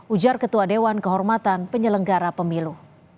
ujar ketua dewan kehormatan penyelenggara pemilu